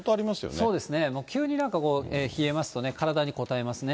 そうですね、もう急になんかこう、冷えますとね、体にこたえますね。